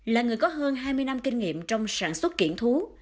là người có hơn hai mươi năm kinh nghiệm trong sản xuất kiển thú